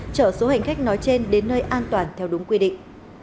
chở số hành khách nói trên đến nơi an toàn theo đúng quy định